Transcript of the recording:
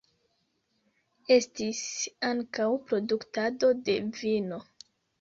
Estis ankaŭ produktado de vino.